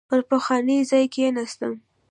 پر پخواني ځای کېناسته.